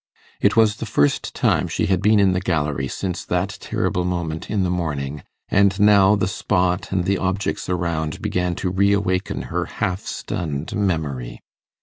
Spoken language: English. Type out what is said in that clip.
It was the first time she had been in the gallery since that terrible moment in the morning, and now the spot and the objects around began to reawaken her half stunned memory.